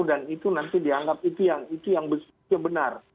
dan itu nanti dianggap itu yang benar